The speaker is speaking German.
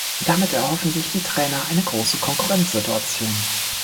Damit erhoffen sich die Trainer eine große Konkurrenzsituation.